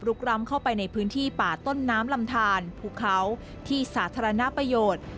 กร้ำเข้าไปในพื้นที่ป่าต้นน้ำลำทานภูเขาที่สาธารณประโยชน์